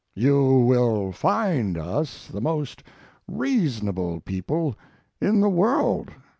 You will find us the most reasonable people in the world.